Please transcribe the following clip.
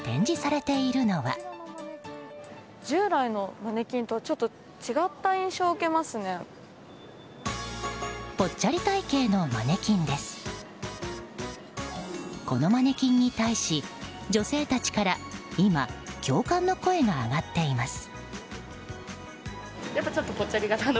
このマネキンに対し女性たちから今、共感の声が上がっています。